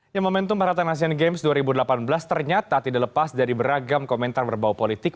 ya momentum haratan asian games dua ribu delapan belas ternyata tidak lepas dari beragam komentar berbau politik